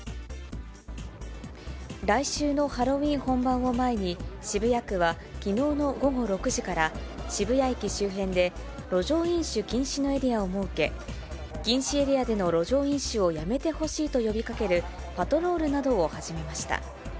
来週のハロウィーン本番を前に、渋谷区はきのうの午後６時から、渋谷駅周辺で、路上飲酒禁止のエリアを設け、禁止エリアでの路上飲酒をやめてほしいと呼びかけるパトロールなどを始めました。